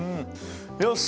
よし。